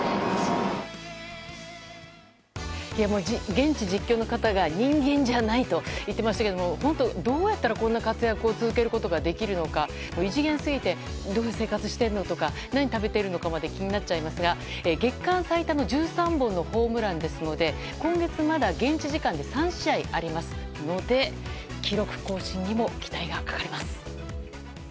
現地実況の方が人間じゃないと言っていましたけど本当、どうやったらこんな活躍を続けることができるのか、異次元すぎてどういう生活してるのかとか何を食べているのかまで気になっちゃいますが月間最多の１３本のホームランですので今月まだ現地時間で３試合ありますので記録更新にも期待がかかります。